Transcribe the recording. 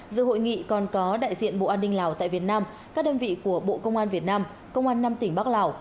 dự hội nghị còn có đại diện bộ an ninh lào tại việt nam các đơn vị của bộ công an việt nam công an năm tỉnh bắc lào